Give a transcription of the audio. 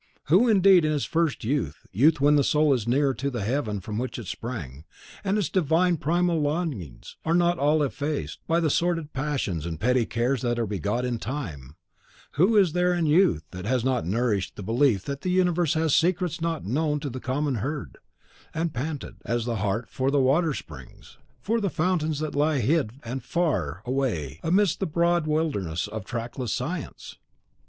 Who, indeed in his first youth, youth when the soul is nearer to the heaven from which it sprang, and its divine and primal longings are not all effaced by the sordid passions and petty cares that are begot in time, who is there in youth that has not nourished the belief that the universe has secrets not known to the common herd, and panted, as the hart for the water springs, for the fountains that lie hid and far away amidst the broad wilderness of trackless science?